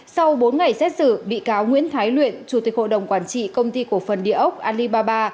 sau bốn ngày xét xử bị cáo nguyễn thái luyện chủ tịch hội đồng quản trị công ty cổ phần địa ốc alibaba